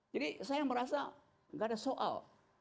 jadi saya merasa gak ada soal